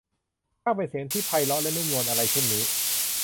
ช่างเป็นเสียงที่ไพเราะและนุ่มนวลอะไรเช่นนี้ !